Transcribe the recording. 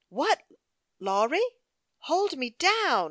What, Lawry ?"" Hold me down